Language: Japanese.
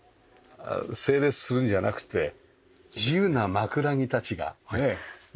整列するんじゃなくて自由な枕木たちがいいですね。